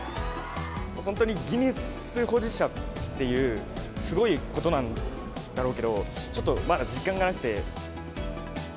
本当にギネス保持者っていう、すごいことなんだろうけど、ちょっとまだ実感がなくて。